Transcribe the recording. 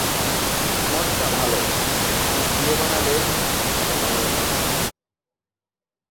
মটকা ভালো দুধ দিয়ে বানালে খেতে ভালো লাগে।